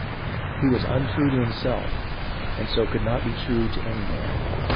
He was untrue to himself, and so could not be true to any man.